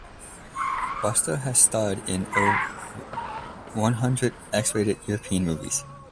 Buster has starred in over one hundred X-rated European movies.